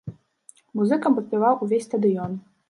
Музыкам падпяваў увесь стадыён.